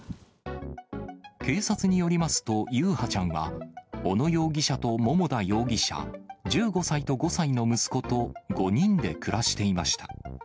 警察によりますと、優陽ちゃんは、小野容疑者と桃田容疑者、１５歳と５歳の息子と５人で暮らしていました。